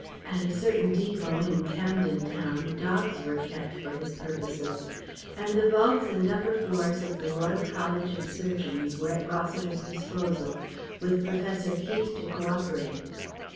At a certain depôt in Camden Town dogs were kept for his purposes. And the vaults and upper floors of the Royal College of Surgeons were at Rossiter's disposal, with Professor Keith to co operate.